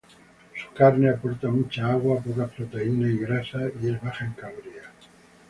Su carne aporta mucha agua, pocas proteínas y grasa, y es baja en calorías.